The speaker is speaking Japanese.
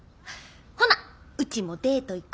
ほなウチもデート行こ。